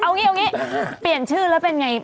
เอางี้เปลี่ยนชื่อแล้วเป็นไง